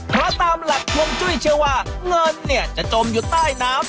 เพราะตามหลักฮวงจุ้ยเชื่อว่าเงินเนี่ยจะจมอยู่ใต้น้ำ